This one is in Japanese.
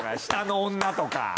下の女とか。